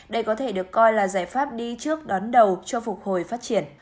đây có thể được coi là giải pháp đi trước đón đầu cho phục hồi phát triển